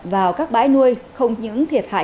vào các bãi nuôi không những thiệt hại